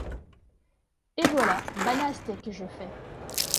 Et voilà, banaste que je fais !